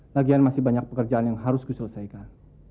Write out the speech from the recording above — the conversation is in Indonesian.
lagian masih banyak pekerjaan yang harus diselesaikan